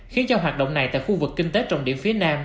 khiến cho hoạt động này tại khu vực kinh tế trọng điểm phía nam